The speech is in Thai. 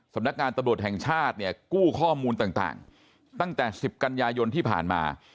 สำนักงานตำรวจแห่งชาติเนี่ยกู้ข้อมูลต่างตั้งแต่๑๐กันยายนที่ผ่านมา